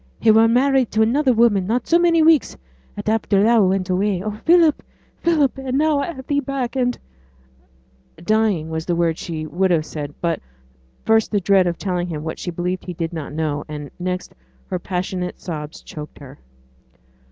He were married to another woman not so many weeks at after thou went away. Oh, Philip, Philip! and now I have thee back, and ' 'Dying' was the word she would have said, but first the dread of telling him what she believed he did not know, and next her passionate sobs, choked her.